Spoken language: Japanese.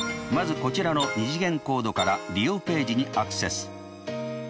まずこちらの２次元コードから利用ページにアクセス。